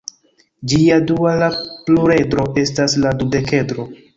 Ĝia duala pluredro estas la dudekedro.